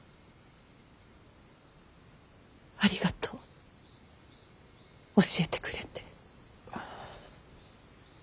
ありがとう教えてくれて。